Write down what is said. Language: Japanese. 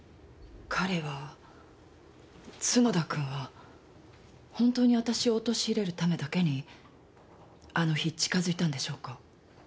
彼は角田君は本当にわたしを陥れるためだけにあの日近づいたんでしょうか？